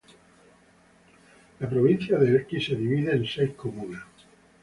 La provincia de Elqui se divide en seis comunas.